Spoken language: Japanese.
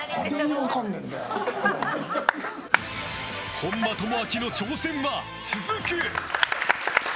本間朋晃の挑戦は続く。